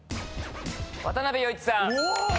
渡部陽一さん。